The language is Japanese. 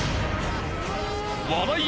［笑い